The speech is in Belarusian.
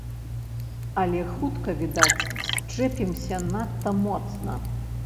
Але хутка, відаць, счэпімся надта моцна.